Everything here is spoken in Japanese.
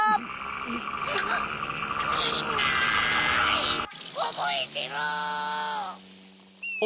にがい‼おぼえてろ！